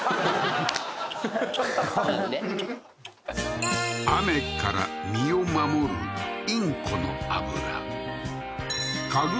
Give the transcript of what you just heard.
弾んで雨から身を守るインコの脂嗅ぐ